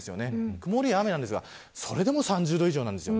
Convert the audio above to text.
曇りや雨なんですがそれでも３０度以上です。